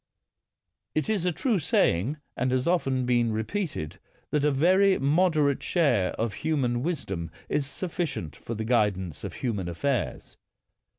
It is a true saying, and has often been re peated, that a very moderate share of human wisdom is sufficient for the guidance of human affairs.